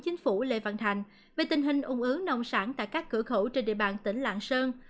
chính phủ lê văn thành về tình hình ung ứ nông sản tại các cửa khẩu trên địa bàn tỉnh lạng sơn